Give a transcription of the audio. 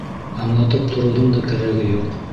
Аңлатып тороуҙың да кәрәге юҡ.